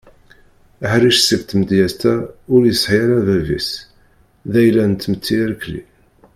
Aḥric seg tmedyaz-a ur yesɛi ara bab-is d ayla n tmetti irkeli.